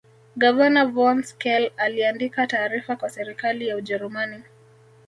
Gavana von Schele aliandika taarifa kwa serikali ya Ujerumani